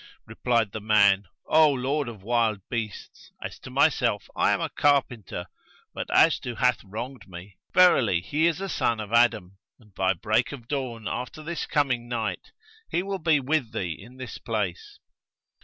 Replied the man, 'O lord of wild beasts, as to myself I am a carpenter; but as to who hath wronged me, verily he is a son of Adam, and by break of dawn after this coming night[FN#141] he will be with thee in this place.'